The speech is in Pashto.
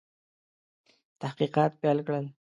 تحقیقات پیل کړل.